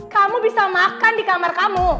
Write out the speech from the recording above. kamu bisa makan di kamar kamu